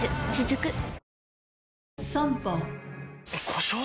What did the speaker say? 故障？